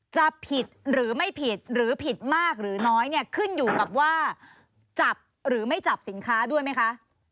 จะผิดหรือไม่ผิดหรือผิดมากหรือน้อยเนี่ยขึ้นอยู่กับว่าจับหรือไม่จับสินค้าด้วยไหมคะ